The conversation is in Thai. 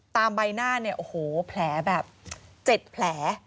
ใบหน้าเนี่ยโอ้โหแผลแบบ๗แผล